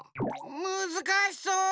むずかしそう。